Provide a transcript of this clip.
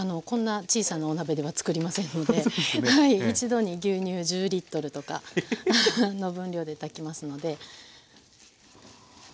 こんな小さなお鍋では作りませんので一度に牛乳１０とかの分量で炊きますので。